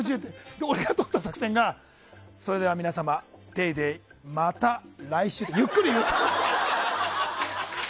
俺がとった作戦が、それでは皆様「ＤａｙＤａｙ．」また来週ってゆっくり言ったの。